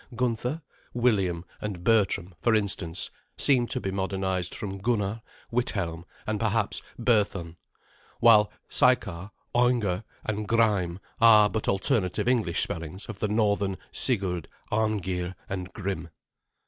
Gunther, William, and Bertram, for instance, seem to be modernized from Gunnar, Withelm, and perhaps Berthun; while Sykar, Aunger, and Gryme are but alternative English spellings of the northern Sigurd, Arngeir, and Grim.